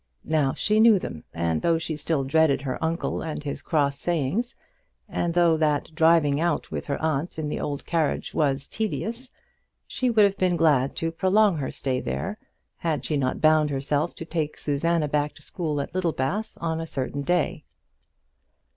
Now she knew them, and though she still dreaded her uncle and his cross sayings, and though that driving out with her aunt in the old carriage was tedious, she would have been glad to prolong her stay there, had she not bound herself to take Susanna back to school at Littlebath on a certain day.